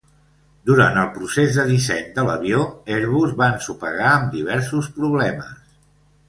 Durant el procés de disseny de l'avió, Airbus va ensopegar amb diversos problemes.